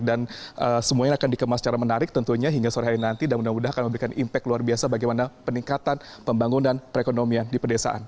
dan semuanya akan dikemas secara menarik tentunya hingga sore hari nanti dan mudah mudahan akan memberikan impact luar biasa bagaimana peningkatan pembangunan perekonomian di pedesaan